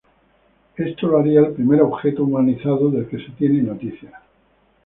Eso lo haría el primer objeto humanizado del que se tiene noticia.